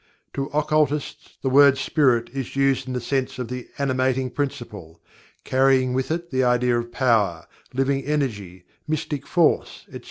To occultists the word "Spirit" is used in the sense of "The Animating Principle," carrying with it the idea of Power, Living Energy, Mystic Force, etc.